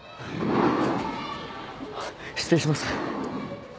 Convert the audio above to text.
・失礼します。